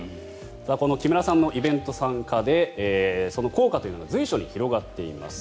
この木村さんのイベント参加でその効果というのは随所に広がっています。